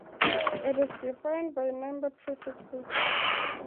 It is defined by number prefixes.